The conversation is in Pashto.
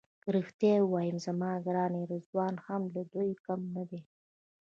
که رښتیا ووایم زما ملګری رضوان هم له دوی کم نه دی.